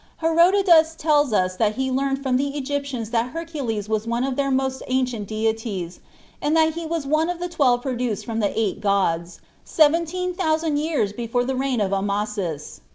Herodotus tells us that he learned from the Egyptians that Hercules was one of their most ancient deities, and that he was one of the twelve produced from the eight gods, 17,000 years before the reign of Amasis.